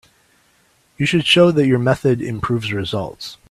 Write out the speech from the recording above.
You should show that your method improves results.